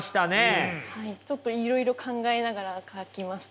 ちょっといろいろ考えながら書きました。